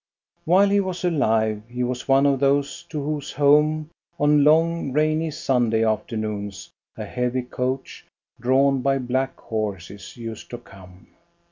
While he was alive he was one of those to whose home, on long, rainy Sunday afternoons, a heavy coach, drawn by black horses, used to come.